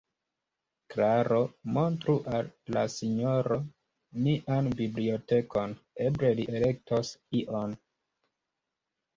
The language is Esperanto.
Klaro, montru al la sinjoro nian bibliotekon, eble li elektos ion.